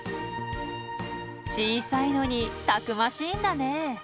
小さいのにたくましいんだね。